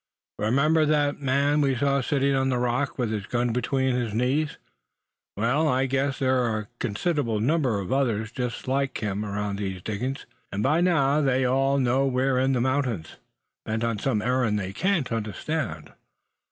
Remember that man we saw sitting on the rock with his gun between his knees? Well, I guess there are a considerable number of others just like him around these diggings; and by now they all know we're in the mountains, bent on some errand they can't understand."